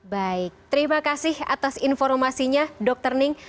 baik terima kasih atas informasinya dr ning